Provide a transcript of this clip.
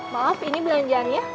maaf ini belanjaan ya